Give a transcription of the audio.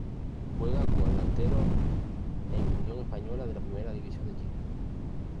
Juega como delantero en Unión Española de la Primera División de Chile.